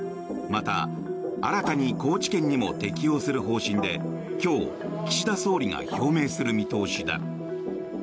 また、新たに高知県にも適用する方針で今日、岸田総理が表明する見通しだ。